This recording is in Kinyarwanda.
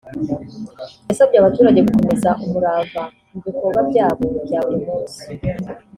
yasabye abaturage gukomeza umurava mu bikorwa byabo bya buri munsi